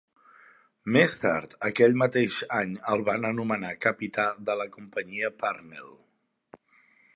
Més tard aquell mateix any el van anomenar capità de la companyia Parnell.